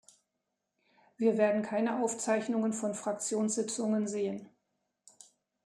Wir werden keine Aufzeichnungen von Fraktionssitzungen sehen.